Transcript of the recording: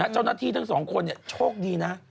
เจ้าหน้าที่ทั้งสองคนโชคดีนะ